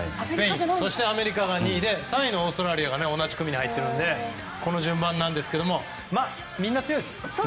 アメリカが２位で３位のオーストラリアが同じ組に入っているのでこの順番なんですがみんな強いです。